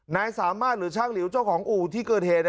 นายสามารถหรือช่างหลิวเจ้าของอู่ที่เกิดเหตุ